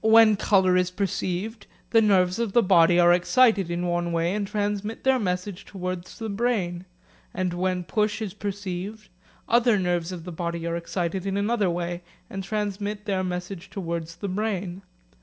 When colour is perceived the nerves of the body are excited in one way and transmit their message towards the brain, and when push is perceived other nerves of the body are excited in another way and transmit their message towards the brain.